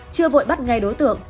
chưa vội bắt ngay đối tượng